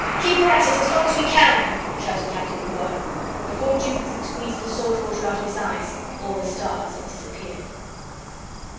"Keep her at it as long as we can," shouted Captain MacWhirr. Before Jukes had squeezed the salt water out of his eyes all the stars had disappeared.